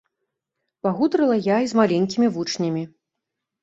Пагутарыла я і з маленькімі вучнямі.